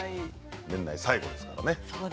年内最後ですからね。